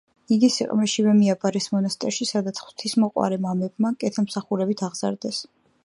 იგი სიყრმეშივე მიაბარეს მონასტერში, სადაც ღვთისმოყვარე მამებმა კეთილმსახურებით აღზარდეს.